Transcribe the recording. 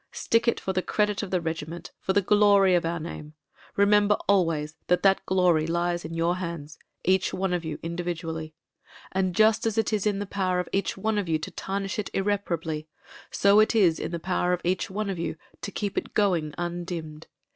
Stick it, for the credit of the regiment, for the glory of our name. Remember always that that glory "THE REGIMENT" 263 lies in your hands, each one of you individually. And just as it is in the power of each one of you to tarnish it irreparably, so is it in the power of each one of you to keep it going undimmed.